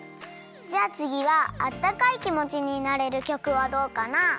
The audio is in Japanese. じゃあつぎはあったかいきもちになれるきょくはどうかな？